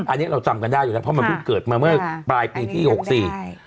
อันนี้เราจำกันได้อยู่แล้วเพราะมันเพิ่งเกิดมาเมื่อปลายปีที่หกสี่ใช่